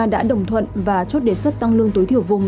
đã đồng thuận và chốt đề xuất tăng lương tối thiểu vùng